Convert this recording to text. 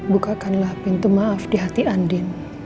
bukakanlah pintu maaf di hati andin